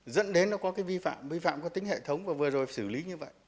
dẫn đến nó có cái vi phạm vi phạm có tính hệ thống và vừa rồi xử lý như vậy